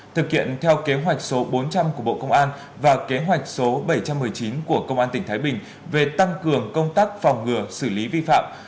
thực hiện theo kế hoạch số bốn trăm linh của bộ công an và kế hoạch số bảy trăm một mươi chín của công an tỉnh thái bình về tăng cường công tác phòng ngừa xử lý vi phạm